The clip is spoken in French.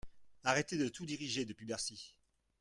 Arrêtez de tout diriger depuis Bercy.